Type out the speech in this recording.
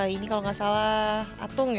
ini kalau nggak salah atung ya